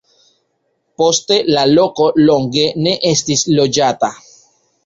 Poste la loko longe ne estis loĝata.